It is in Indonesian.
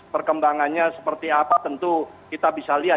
perkembangannya seperti apa tentu kita bisa lihat